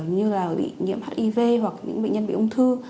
như là bị nhiễm hiv hoặc những bệnh nhân bị ung thư